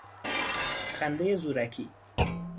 خندهی زورکی